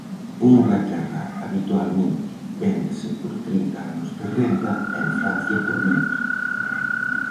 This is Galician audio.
En Inglaterra habitualmente véndese por trinta anos de renda, e en Francia por vinte.